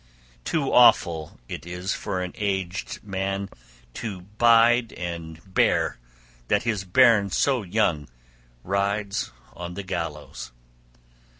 Too awful it is for an aged man to bide and bear, that his bairn so young rides on the gallows.